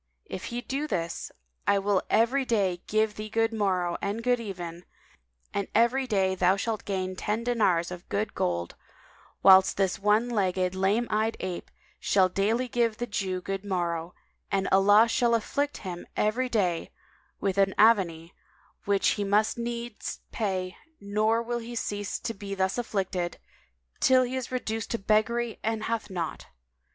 If he do this, I will every day give thee good morrow and good even, and every day thou shalt gain ten dinars of good gold; whilst this one eyed, lame legged ape shall daily give the Jew good morrow, and Allah shall afflict him every day with an avanie [FN#199] which he must needs pay, nor will he cease to be thus afflicted till he is reduced to beggary and hath naught.